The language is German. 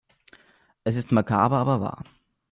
Es ist makaber aber wahr.